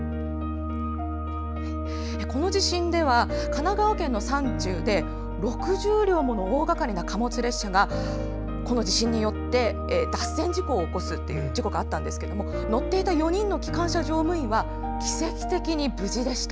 この地震では、神奈川県の山中で６０両もの大がかりな貨物列車がこの地震によって脱線事故を起こすという事故があったんですが乗っていた４人の機関車乗務員は奇跡的に無事でした。